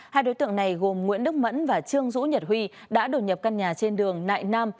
hai đối tượng này gồm nguyễn đức mẫn và trương dũ nhật huy đã đổ nhập căn nhà trên đường nại nam